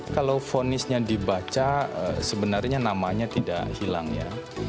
kalau fonisnya dibaca sebenarnya namanya tidak hilang ya